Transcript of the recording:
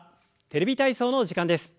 「テレビ体操」の時間です。